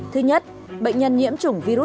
thứ nhất bệnh nhân nhiễm chủng